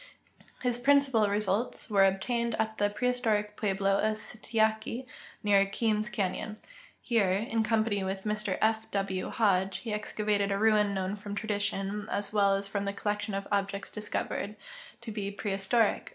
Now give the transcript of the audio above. His principal results AA^ere obtained at the preliistoric pueblo of Sikyatki, near Kearns canyon. Here, in com])an}' Avith Mr F. ^\^ Hodge, he excavated a ruin known from tradition, as Avell as from the collection of objects discovered, to be prehistoric.